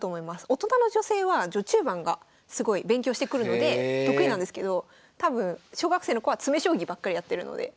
大人の女性は序中盤がすごい勉強してくるので得意なんですけど多分小学生の子は詰将棋ばっかりやってるので。